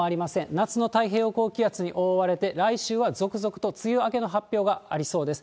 夏の太平洋高気圧に覆われて、来週は続々と梅雨明けの発表がありそうです。